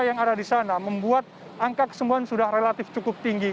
yang ada di sana membuat angka kesembuhan sudah relatif cukup tinggi